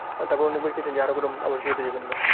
অপর অনেক ব্যক্তি আছেন, যাঁহারা কোন আপস করিতে যাইবেন না।